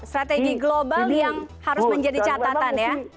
strategi global yang harus menjadi catatan ya